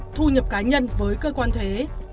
thu nhập cá nhân với cơ quan thuế